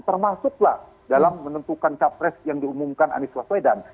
termasuklah dalam menentukan capres yang diumumkan anies waswedan